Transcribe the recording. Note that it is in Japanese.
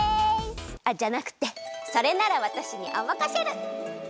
あっじゃなくてそれならわたしにおまかシェル！